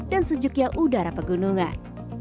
dan sejuknya udara pegunungan